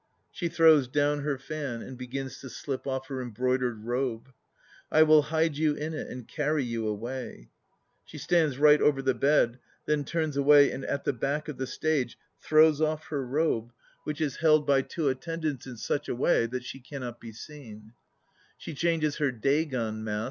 (She throws down her fan and begins to slip off her embroidered robe.) I will hide you in it and carry you away! (She stands right over the bed, then turns away and at the back of the stage throws off her robe, which is held by rom the Sutralankara Shastra (Cat.